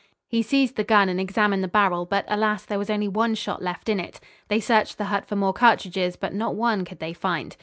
He seized the gun and examined the barrel, but, alas, there was only one shot left in it. They searched the hut for more cartridges, but not one could they find.